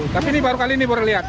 tapi ini baru kali ini baru lihat